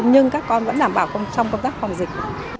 nhưng các con vẫn đảm bảo trong công tác phòng dịch